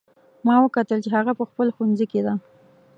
ما وکتل چې هغه په خپل ښوونځي کې ده